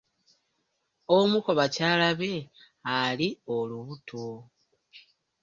Omu ku bakyala be ali olubuto.